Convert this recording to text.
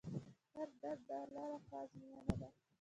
هر درد د الله له خوا ازموینه ده.